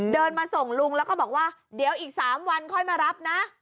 เดินมาส่งลุงแล้วก็บอกว่าเดี๋ยวอีก๓วันค่อยมารับนะ